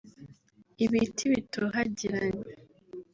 ibiti bitohagiranye